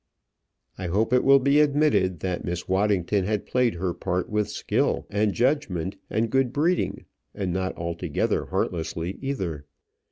I hope it will be admitted that Miss Waddington had played her part with skill, and judgment, and good breeding; and not altogether heartlessly either.